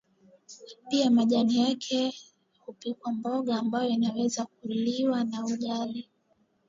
Pia majani yake hupikwa mboga ambayo inaweza kuliwa na ugali